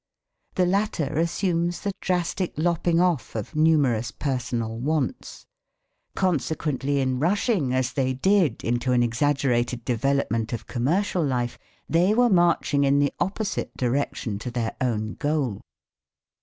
The latter assumes the drastic lopping off of numerous personal wants. Consequently in rushing, as they did, into an exaggerated development of commercial life, they were marching in the opposite direction to their own goal.